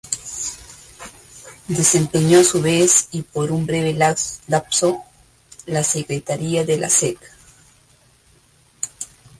Desempeñó a su vez y por un breve lapso la secretaría de la Secc.